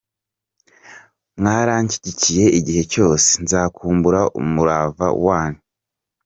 Mwaranshyigikiye igihe cyose, nzakumbura umurava wanyu.